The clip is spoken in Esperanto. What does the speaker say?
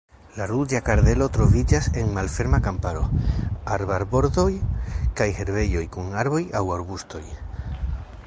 La Ruĝa kardelo troviĝas en malferma kamparo, arbarbordoj kaj herbejoj kun arboj aŭ arbustoj.